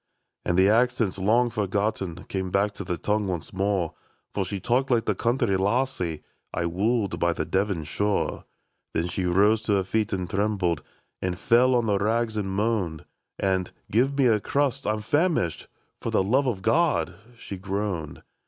" And the accents, long forgotten, Came back to the tongue once more. For she talked like the country lassie I woo'd by the Devon shore. Then she rose to her feet and trembled, And fell on the rags and moaned, And, * Give me a crust — I 'm famished — For the love of God !' she groaned.